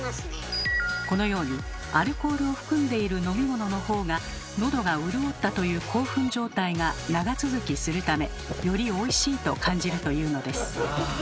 このようにアルコールを含んでいる飲み物の方がのどが潤ったという興奮状態が長続きするためよりおいしいと感じるというのです。